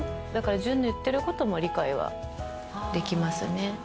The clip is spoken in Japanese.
だから純の言ってることも理解はできますね。